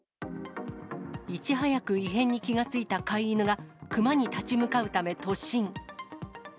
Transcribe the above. いち早く異変に気がついた飼い犬が、熊に立ち向かうため突進。